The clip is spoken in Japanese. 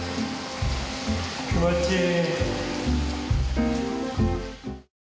気持ちいい。